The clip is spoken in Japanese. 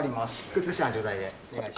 靴下の状態でお願いします。